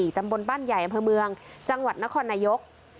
ตำบลบ้านใหญ่อำเภอเมืองจังหวัดนครนายก